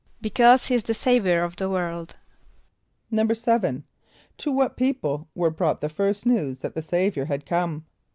=Because he is the Saviour of the world.= =7.= To what people were brought the first news that the Saviour had come?